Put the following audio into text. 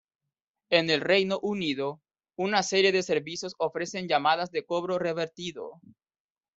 En el Reino Unido, una serie de servicios ofrecen llamadas de cobro revertido.